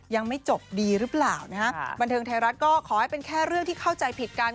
ยังไม่จบดีหรือเปล่านะฮะบันเทิงไทยรัฐก็ขอให้เป็นแค่เรื่องที่เข้าใจผิดกัน